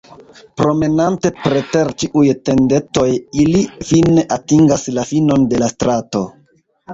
Promenante preter ĉiuj tendetoj, ili fine atingas la finon de la strato.